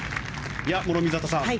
諸見里さん